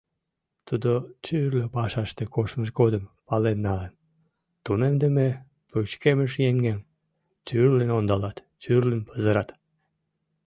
Тудо тӱрлӧ пашаште коштмыж годым пален налын: тунемдыме, пычкемыш еҥым тӱрлын ондалат, тӱрлын пызырат.